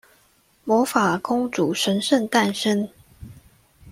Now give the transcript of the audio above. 魔法公主神聖誕生